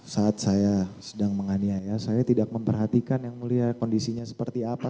saat saya sedang menganiaya saya tidak memperhatikan yang mulia kondisinya seperti apa